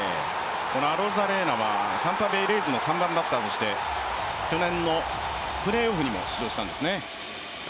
アロザレーナはタンパベイ・レイズの主力選手として去年のプレーオフにも出場したんですね。